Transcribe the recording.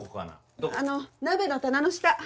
どこ？鍋の棚の下。